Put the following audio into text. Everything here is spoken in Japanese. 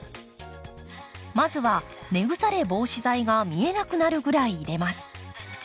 まずは根腐れ防止剤が見えなくなるぐらい入れます。